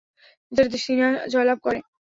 যেটিতে সিনা জয়লাভ করে।